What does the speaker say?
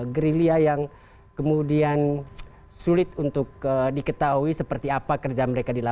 gerilia yang kemudian sulit untuk diketahui seperti apa kerja mereka dilakukan